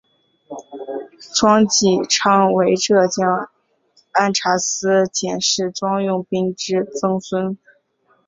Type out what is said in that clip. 庄际昌为浙江按察司佥事庄用宾之曾孙。